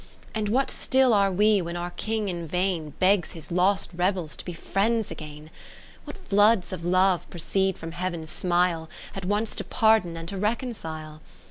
And what still are we, when our King in vain Begs His lost rebels to be friends again ! What floods of Love proceed from Heaven's smile, (569) At once to pardon and to reconcile